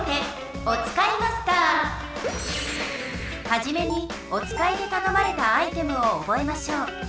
はじめにおつかいでたのまれたアイテムを覚えましょう。